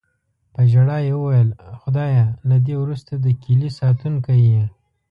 په ژړا یې وویل: "خدایه، له دې وروسته د کیلي ساتونکی یې".